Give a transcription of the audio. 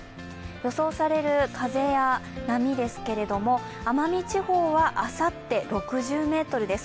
予想される風や波ですけれども奄美地方はあさって、６０メートルです。